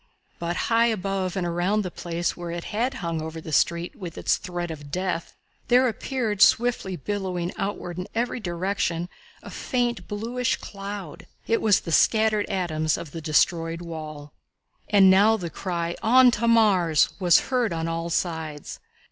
But high above and all around the place where it had hung over the street with its threat of death there appeared, swiftly billowing outward in every direction, a faint, bluish cloud. It was the scattered atoms of the destroyed wall. And now the cry "On to Mars!" was heard on all sides.